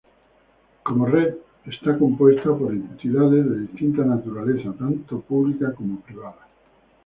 Como Red, está compuesta por entidades de distinta naturaleza, tanto pública como privada.